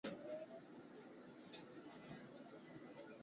人类生活和社会状况